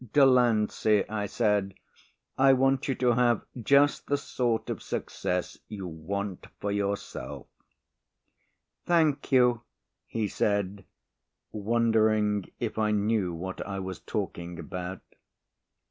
"Delancey," I said, "I want you to have just the sort of success you want for yourself." "Thank you," he said, wondering if I knew what I was talking about.